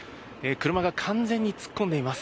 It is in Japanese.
車が完全に突っ込んでいます。